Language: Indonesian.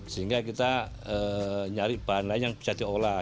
sehingga kita nyari bahan lain yang bisa diolah